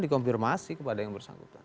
dikonfirmasi kepada yang bersangkutan